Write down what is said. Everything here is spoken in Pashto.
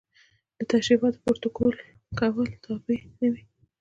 د تشریفاتي پروتوکول تابع نه وي.